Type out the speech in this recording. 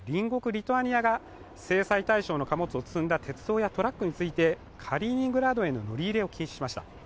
リトアニアが制裁対象の貨物を積んだ鉄道やトラックについてカリーニングラードへの乗り入れを禁止しました。